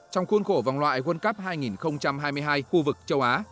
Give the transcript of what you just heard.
trong khuôn khổ vòng loại quân cấp hai nghìn hai mươi hai khu vực châu á